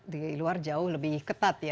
di luar jauh lebih ketat ya